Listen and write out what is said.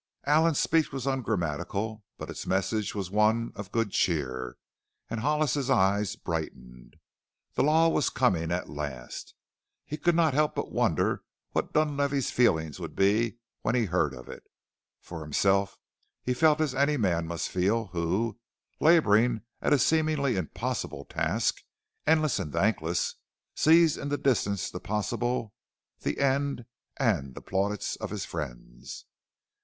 Allen's speech was ungrammatical, but its message was one of good cheer and Hollis's eyes brightened. The Law was coming at last! He could not help but wonder what Dunlavey's feelings would be when he heard of it. For himself, he felt as any man must feel who, laboring at a seemingly impossible task, endless and thankless, sees in the distance the possible, the end, and the plaudits of his friends.